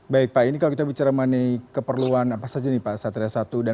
baik pak ini kalau kita bicara mengenai keperluan apa saja nih pak satria satu